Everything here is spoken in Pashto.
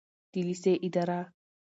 د لیسې اداره